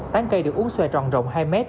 tán cây được uống xòe tròn rộng hai mét